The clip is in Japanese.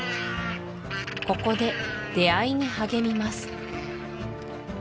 ここで出会いに励みます